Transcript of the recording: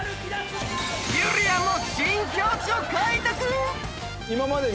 ゆりやんも新境地を開拓。